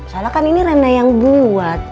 soalnya kan ini rena yang buat